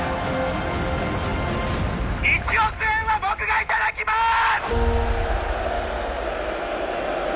１億円は僕が頂きます！